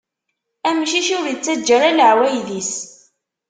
Amcic ur ittaǧǧa ara laɛwayed-is.